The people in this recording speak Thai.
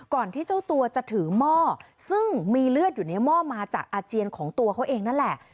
ที่เจ้าตัวจะถือหม้อซึ่งมีเลือดอยู่ในหม้อมาจากอาเจียนของตัวเขาเองนั่นแหละ